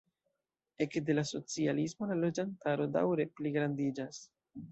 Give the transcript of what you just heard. Ekde la socialismo la loĝantaro daŭre pligrandiĝas.